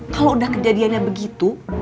kalau udah kejadiannya begitu